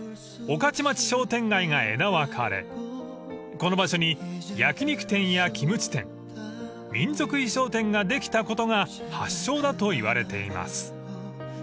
［この場所に焼き肉店やキムチ店民族衣装店ができたことが発祥だといわれています］